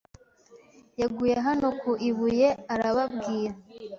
Yaguye hano ku ibuye arababwira